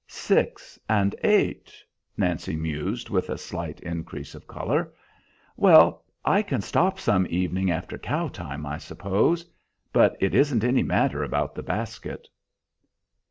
"Six and eight," Nancy mused, with a slight increase of color. "Well, I can stop some evening after cow time, I suppose; but it isn't any matter about the basket."